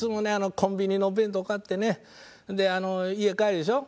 コンビニの弁当買ってねで家帰るでしょ。